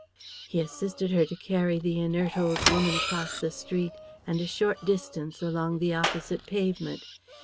He assisted her to carry the inert old woman across the street and a short distance along the opposite pavement.